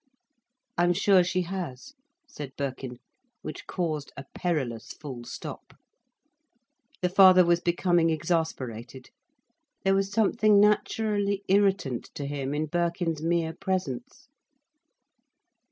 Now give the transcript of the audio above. "I'm sure she has," said Birkin, which caused a perilous full stop. The father was becoming exasperated. There was something naturally irritant to him in Birkin's mere presence.